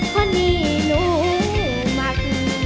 ข้อนี่หนูมาก